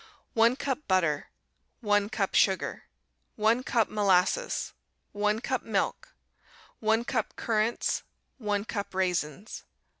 1 cup butter. 1 cup sugar. 1 cup molasses. 1 cup milk. 1 cup currants. 1 cup raisins.